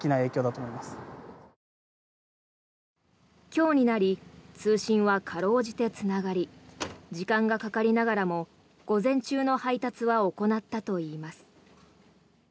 今日になり通信は辛うじてつながり時間がかかりながらも午前中の配達は行ったといいます。